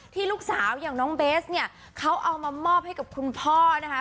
ลูกสาวอย่างน้องเบสเนี่ยเขาเอามามอบให้กับคุณพ่อนะคะ